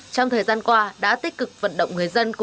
trong thời gian qua đã tích cực vận động người dân